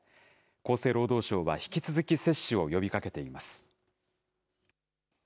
厚生労働省は引き続き接種を呼びかけています。